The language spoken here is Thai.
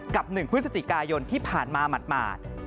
๑พฤศจิกายนที่ผ่านมาหมาด